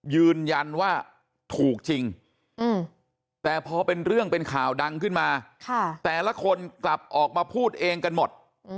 ยืนยันว่าถูกจริงแต่พอเป็นเรื่องเป็นข่าวดังขึ้นมาแต่ละคนกลับออกมาพูดเองกันหมด